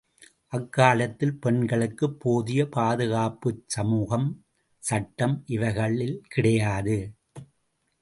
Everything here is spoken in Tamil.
அக்காலத்தில் பெண்களுக்கு போதிய பாதுகாப்பு சமூகம் சட்டம் இவைகளில் கிடையாது.